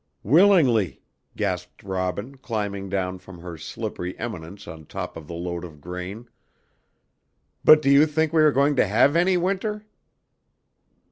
"Willingly," gasped Robin, climbing down from her slippery eminence on top of the load of grain; "but do you think we are going to have any winter?"